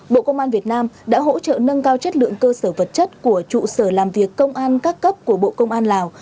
bộ công an việt nam đã hỗ trợ nâng cao chất lượng cơ sở vật chất của trụ sở làm việc công an các cấp của bộ công an lào